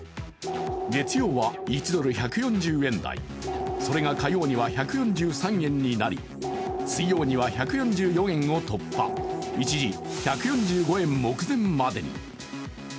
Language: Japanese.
月曜は１ドル＝１４０円台、それが火曜には１４３円になり水曜には１４４円を突破、一時１４５円目前までに。